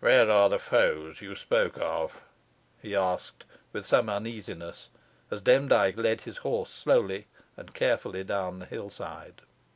"Where are the foes you spoke of?" he asked with some uneasiness, as Demdike led his horse slowly and carefully down the hill side.